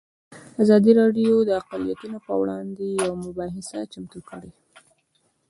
ازادي راډیو د اقلیتونه پر وړاندې یوه مباحثه چمتو کړې.